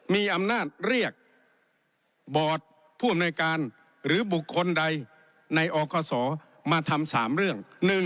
มีอำนาจเรียกบอร์ดผู้อำนวยการหรือบุคคลใดในอคศมาทำ๓เรื่อง